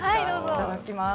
いただきます。